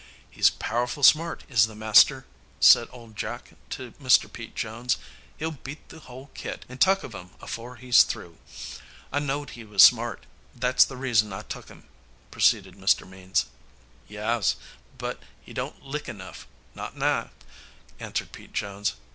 "He's powerful smart, is the master," said old Jack to Mr. Pete Jones. "He'll beat the whole kit and tuck of 'em afore he's through. I know'd he was smart. That's the reason I tuck him," proceeded Mr. Means. "Yaas, but he don't lick enough. Not nigh," answered Pete Jones.